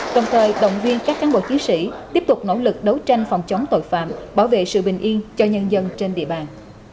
đồng thời động viên các cán bộ chiến sĩ tiếp tục nỗ lực đấu tranh phòng chống tội phạm bảo vệ sự bình yên cho nhân dân trên địa bàn